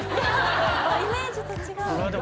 イメージと違う。